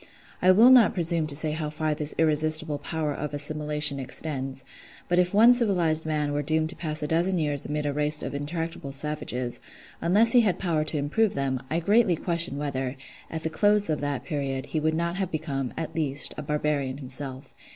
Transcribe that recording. I will not presume to say how far this irresistible power of assimilation extends; but if one civilised man were doomed to pass a dozen years amid a race of intractable savages, unless he had power to improve them, I greatly question whether, at the close of that period, he would not have become, at least, a barbarian himself.